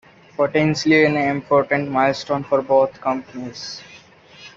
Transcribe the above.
Potentially an important milestone for both companies.